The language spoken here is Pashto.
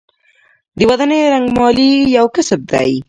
د ودانیو رنګمالي یو کسب دی